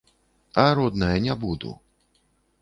А, родная, не буду.